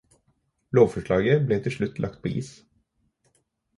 Lovforslaget ble til slutt lagt på is.